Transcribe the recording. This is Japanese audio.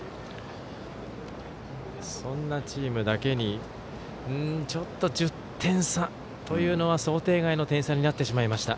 そんなチームだけにちょっと１０点差というのは想定外の点差になってしまいました。